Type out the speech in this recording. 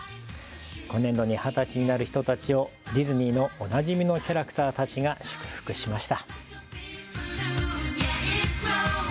今年度に二十歳になる人たちをディズニーのおなじみのキャラクターたちが祝福しました。